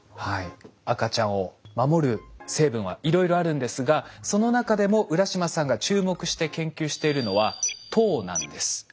赤ちゃんを守る成分はいろいろあるんですがその中でも浦島さんが注目して研究しているのは糖なんです。